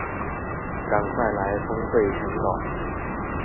趕快來峰會審稿